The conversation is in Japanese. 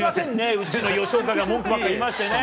うちの吉岡が文句ばっか言いましてね。